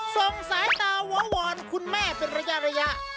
ส่งสายตาวรคุณแม่เป็นระยะ